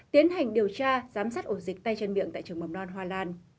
tiến hành điều tra giám sát ổ dịch tay chân miệng tại trường mầm non hoa lan